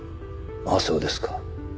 あっそうですか。